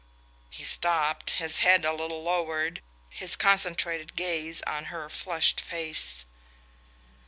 He stopped, his head a little lowered, his concentrated gaze on her flushed face.